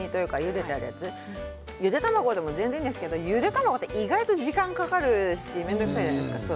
ゆで卵でもいいんですけどゆで卵は意外と時間がかかるし面倒くさいですよね。